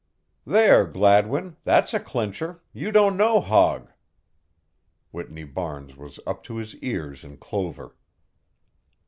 "There, Gladwin that's a clincher you don't know Hogg." Whitney Barnes was up to his ears in clover.